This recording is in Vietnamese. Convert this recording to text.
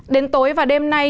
đến tối và đêm nay